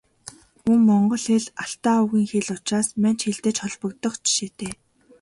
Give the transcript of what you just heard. Мөн Монгол хэл Алтай овгийн хэл учраас Манж хэлтэй ч холбогдох жишээтэй.